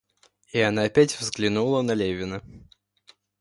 И она опять взглянула на Левина.